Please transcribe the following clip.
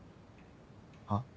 はっ？